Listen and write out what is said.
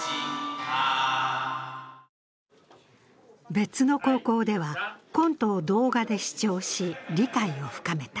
別の高校では、コントを動画で視聴し、理解を深めた。